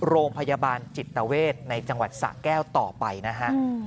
โรงพยาบาลจิตเวทในจังหวัดสะแก้วต่อไปนะฮะ